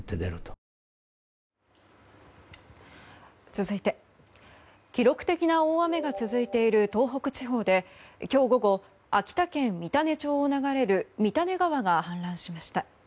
続いて、記録的な大雨が続いている東北地方で今日午後、秋田県三種町を流れる三種川が氾濫しました。